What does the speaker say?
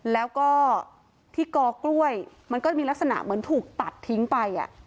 แล้วก็ที่กอกล้วยมันก็จะมีลักษณะเหมือนถูกตัดทิ้งไป